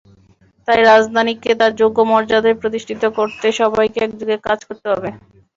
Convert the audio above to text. তাই রাজধানীকে তার যোগ্য মর্যাদায় প্রতিষ্ঠিত করতে সবাইকে একযোগে কাজ করতে হবে।